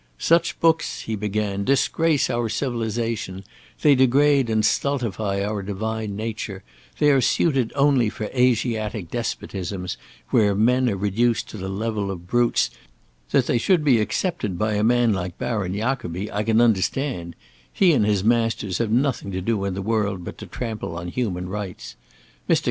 "Such books," he began, "disgrace our civilization; they degrade and stultify our divine nature; they are only suited for Asiatic despotisms where men are reduced to the level of brutes; that they should be accepted by a man like Baron Jacobi, I can understand; he and his masters have nothing to do in the world but to trample on human rights. Mr.